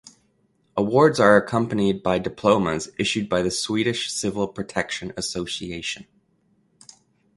Awards are accompanied by diplomas issued by the Swedish Civil Protection Association.